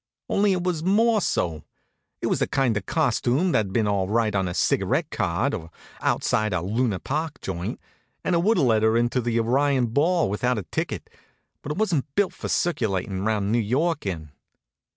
Only it was more so. It was the kind of costume that'd been all right on a cigarette card, or outside a Luna Park joint, and it would have let her into the Arion ball without a ticket; but it wasn't built for circulatin' 'round New York in.